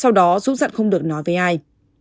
sau đó dũng dặn không được nói với ai